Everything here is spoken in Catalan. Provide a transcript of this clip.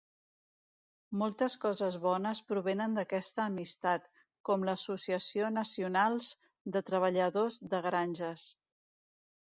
Moltes coses bones provenen d'aquesta amistat, com l'Associació nacionals de treballadors de granges.